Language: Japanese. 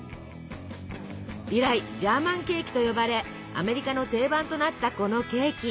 以来「ジャーマンケーキ」と呼ばれアメリカの定番となったこのケーキ。